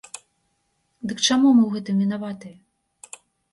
Дык чаму мы ў гэтым вінаватыя?